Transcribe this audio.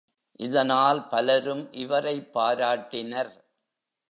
இதனால் பலரும் இவரைப் பாராட்டினர்.